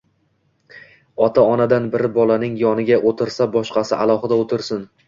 ota-onadan biri bolalarning yoniga o‘tirsa, boshqasi alohida o‘tirsin.